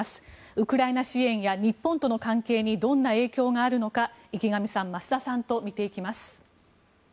ウクライナ支援や日本との関係にどんな影響があるのか池上さん増田さんと見ていきます。